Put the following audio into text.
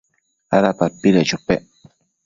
¿ada padpedec chopec?